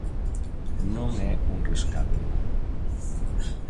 Non é un rescate.